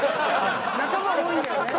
仲間多いんだよね。